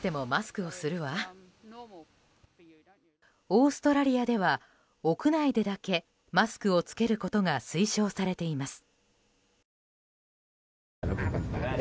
オーストラリアでは屋内でだけマスクを着けることが推奨されています。